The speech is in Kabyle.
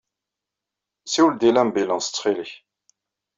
Siwel-d i labilans ttxil-k.